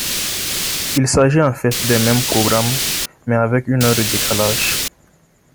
Il s'agit en fait des mêmes programmes mais avec une heure de décalage.